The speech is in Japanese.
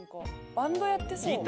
バンドやってそう。